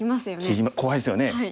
切り怖いですよね。